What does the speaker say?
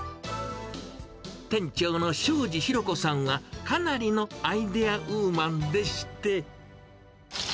店長の庄司裕子さんが、かなりのアイデアウーマンでして。